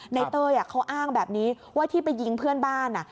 เต้ยเขาอ้างแบบนี้ว่าที่ไปยิงเพื่อนบ้าน